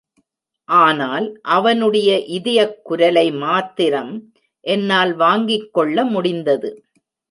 ஆனால், அவனுடைய இதயக் குரலை மாத்திரம் என்னால் வாங்கிக் கொள்ள முடிந்தது.